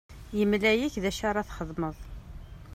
Yemla-ak d acu ara txedmeḍ.